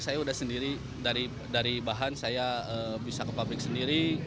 saya sudah sendiri dari bahan saya bisa ke pabrik sendiri